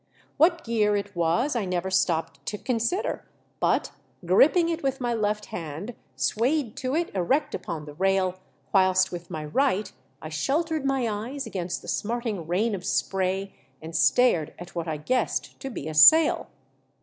What gear it was I never stopped to consider, but gripping it with my left hand swayed to it erect upon the rail, whilst with my right I sheltered my eyes against the smarting rain of spray, and stared at what I guessed to be a sail.